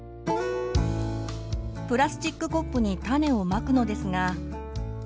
プラスチックコップに種をまくのですが。